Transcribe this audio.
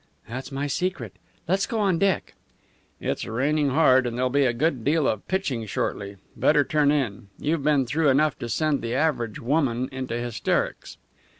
"That's my secret. Let's go on deck." "It's raining hard, and there'll be a good deal of pitching shortly. Better turn in. You've been through enough to send the average woman into hysterics."